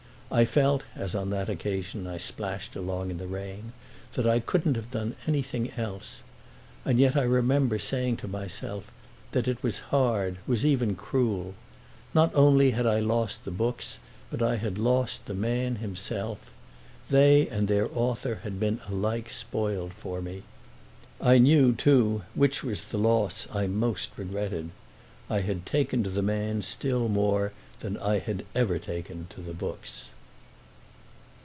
I felt, as on that occasion I splashed along in the rain, that I couldn't have done anything else; and yet I remember saying to myself that it was hard, was even cruel. Not only had I lost the books, but I had lost the man himself: they and their author had been alike spoiled for me. I knew too which was the loss I most regretted. I had taken to the man still more than I had ever taken to the books.